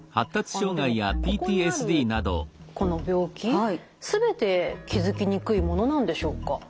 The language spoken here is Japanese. でもここにあるこの病気全て気付きにくいものなんでしょうか？